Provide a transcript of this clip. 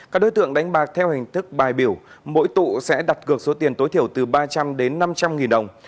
các đối tượng đánh bạc theo hình thức bài biểu mỗi tụ sẽ đặt cược số tiền tối thiểu từ ba trăm linh đến năm trăm linh nghìn đồng